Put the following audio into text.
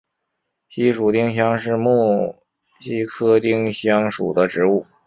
西蜀丁香是木犀科丁香属的植物。